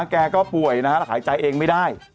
แกก็ป่วยขายใจเองไม่ได้